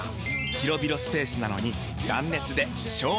広々スペースなのに断熱で省エネ！